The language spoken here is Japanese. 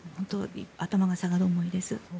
頭が下がる思いです。